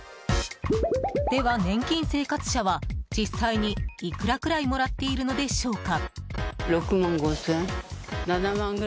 では年金生活者は実際にいくらぐらいもらっているのでしょうか？